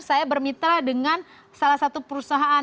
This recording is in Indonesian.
saya bermitra dengan salah satu perusahaan